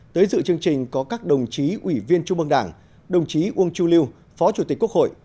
tới dự chương trình có các đồng chí ủy viên trung mương đảng đồng chí uông chu lưu phó chủ tịch quốc hội